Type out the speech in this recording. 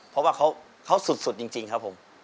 เพราะว่าเขาสุดจริงครับผม